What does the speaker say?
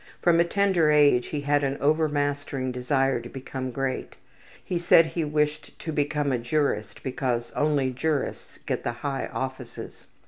From a tender age he had an overmastering desire to become great; he said he wished to become a jurist because only jurists get the high offices.